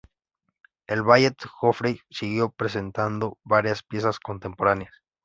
El Ballet Joffrey siguió presentando varias piezas contemporáneas.